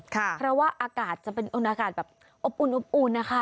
เพราะว่าอากาศจะเป็นอุ่นอากาศแบบอบอุ่นนะคะ